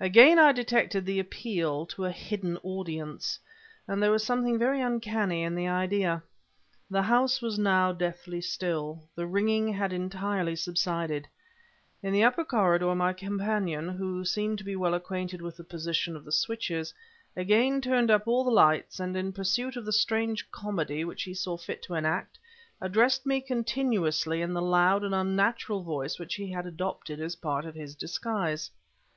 Again I detected the appeal to a hidden Audience; and there was something very uncanny in the idea. The house now was deathly still; the ringing had entirely subsided. In the upper corridor my companion, who seemed to be well acquainted with the position of the switches, again turned up all the lights, and in pursuit of the strange comedy which he saw fit to enact, addressed me continuously in the loud and unnatural voice which he had adopted as part of his disguise.